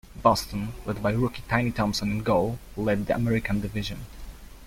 Boston, led by rookie Tiny Thompson in goal, led the American Division.